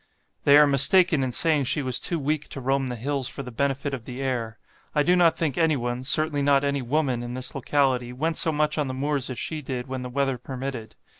"They are mistaken in saying she was too weak to roam the hills for the benefit of the air. I do not think any one, certainly not any woman, in this locality, went so much on the moors as she did, when the weather permitted.